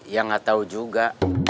ya nggak tahu juga